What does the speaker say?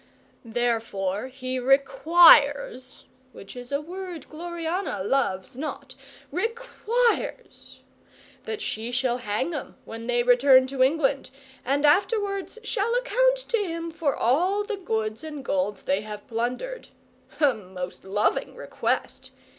Therefore he requires (which is a word Gloriana loves not), requires that she shall hang 'em when they return to England, and afterwards shall account to him for all the goods and gold they have plundered. A most loving request!